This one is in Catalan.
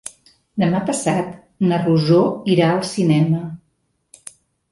Demà passat na Rosó irà al cinema.